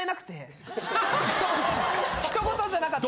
他人事じゃなかった。